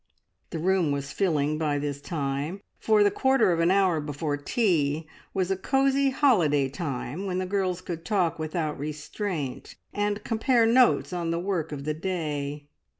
The room was filling by this time, for the quarter of an hour before tea was a cosy holiday time, when the girls could talk without restraint, and compare notes on the work of the day.